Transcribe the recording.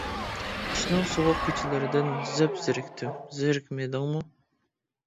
قىشنىڭ سوغۇق كېچىلىرىدىن، زەپ زېرىكتىم، زېرىكمىدىڭمۇ.